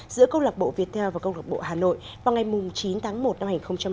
giữa công lạc bộ việt theo và công lạc bộ hà nội vào ngày chín tháng một năm hai nghìn hai mươi một